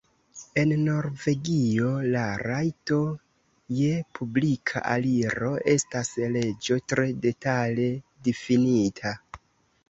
En Norvegio la rajto je publika aliro estas leĝo tre detale difinita.